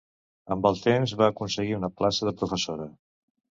Amb el temps, va aconseguir una plaça de professora.